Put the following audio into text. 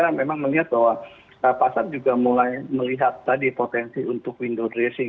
karena memang melihat bahwa pasar juga mulai melihat tadi potensi untuk window dressing